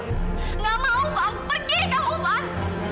gak mau van pergi kamu van